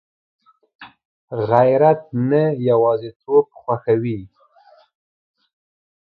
غیرت نه یوازېتوب خوښوي